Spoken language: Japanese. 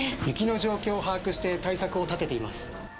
雪の状況を把握して対策を立てています。